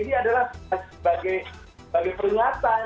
ini adalah sebagai peringatan